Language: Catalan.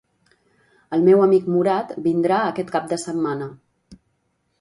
El meu amic Murad vindrà aquest cap de setmana.